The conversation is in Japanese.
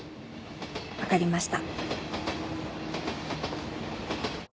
分かりました。